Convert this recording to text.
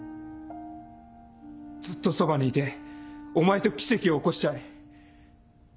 ずっとそばにいてお前と奇跡を起こしたい。